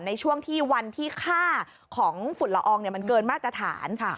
ในช่วงที่วันที่ฆ่าของฝุ่นละอองมันเกินมาตรฐาน